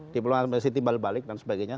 diplomasi timbal balik dan sebagainya